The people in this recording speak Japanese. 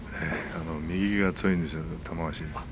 右が強いんですよね玉鷲は。